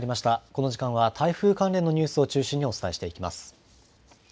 この時間は台風関連のニュースを中心にお伝えしていきます。